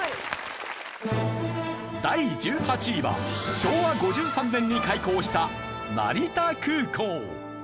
第１８位は昭和５３年に開港した成田空港。